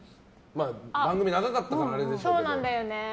番組、長かったからあれでしょうけど。